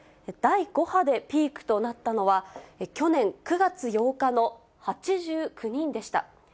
第５波でピークとなったのは、去年９月８日の８９人でした。